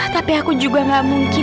tapi aku juga gak mungkin